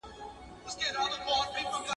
• لويان ئې پر کور وايي، کوچنيان ئې پر بېبان.